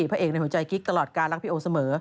พระเอกในหัวใจกิ๊กตลอดการรักพี่โอเสมอ